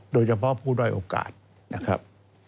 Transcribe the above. โดยเฉพาะผู้ด้อยโอกาสนะครับ